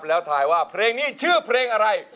แล้วถ่ายว่าเพลงนี้ชื่อเพลงอะไร